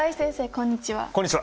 こんにちは。